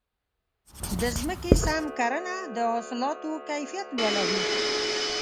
د ځمکې سم کرنه د حاصلاتو کیفیت لوړوي.